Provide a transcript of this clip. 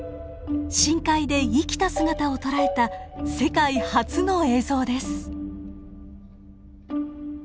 深海で生きた姿を捉えた世界初の映像です。